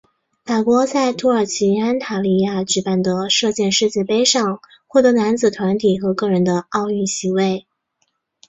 法国在土耳其安塔利亚举办的射箭世界杯上获得男子团体和个人的奥运席位。